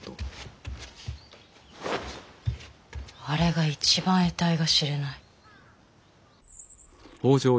あれが一番えたいが知れない。